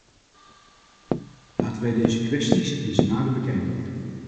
Laten wij deze kwesties eens nader bekijken.